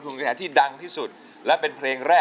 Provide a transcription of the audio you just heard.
ครูสามียังไง